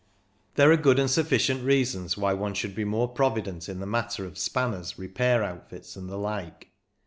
There are good and sufficient reasons why one should be more provident in the matter of spanners, repair outfits, and the like.